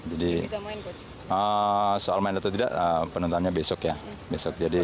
jadi soal main atau tidak penentuannya besok ya